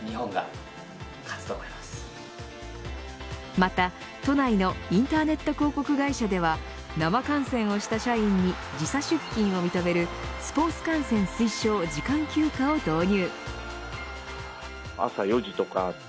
また、都内のインターネット広告会社では生観戦をした社員に時差出勤を認めるスポーツ観戦推奨時間休暇を導入。